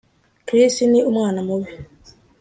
Chris ni umwana mubi